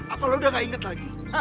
apa lo udah nggak inget lagi